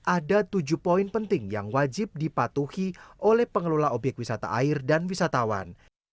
ada tujuh poin penting yang wajib dipatuhi oleh pengelola obyek wisata air dan wisatawan